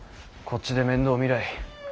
こっちで面倒を見らい。